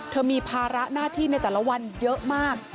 มีภาระหน้าที่ในแต่ละวันเยอะมาก